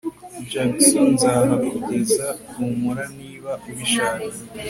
Jackson nzahakugeza humura niba ubishaka